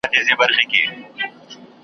ـ زه ی نه لیکم، لیکل کېږي